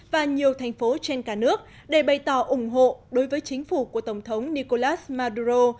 và nhiều thành phố trên cả nước để bày tỏ ủng hộ đối với chính phủ của tổng thống nicolas maduro